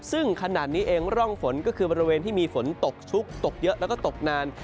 ซึ่งขนาดนี้เองร่องฝนก็คือบริเวณที่มีฝนตกชุกตกเยอะแล้วก็ตกนาน